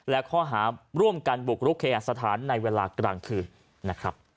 และขอหาร่วมกันบุกรุกแคร์สถานในเวลากลางคืน